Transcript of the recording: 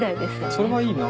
それはいいな。